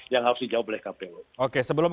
yang harus dijawab oleh kpu oke sebelum